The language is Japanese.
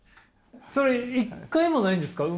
それ一回もないんですか？